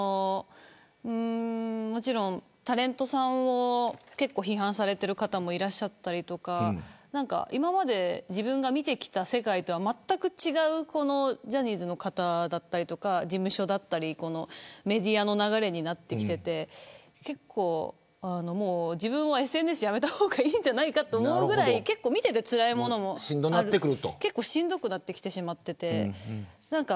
もちろんタレントさんを結構、批判されている方もいらっしゃったりとか今まで自分が見てきた世界とはまったく違うジャニーズの方だったりとか事務所だったりメディアの流れになってきていて結構、自分はＳＮＳをやめた方がいいんじゃないかと思うぐらい見てて、つらいものも結構しんどくなってきてしまっていて。